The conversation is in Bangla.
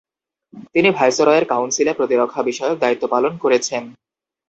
তিনি ভাইসরয়ের কাউন্সিলে প্রতিরক্ষা বিষয়ক দায়িত্বপালন করেছেন।